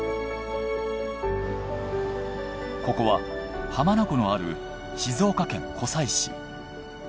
ここは浜名湖のある静岡県・湖西市。